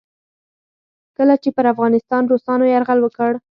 کله چې پر افغانستان روسانو یرغل وکړ.